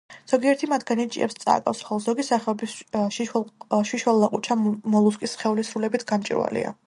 ზოგიერთი მათგანი ჭიებს წააგავს, ხოლო ზოგი სახეობის შიშველლაყუჩა მოლუსკის სხეული სრულებით გამჭვირვალეა.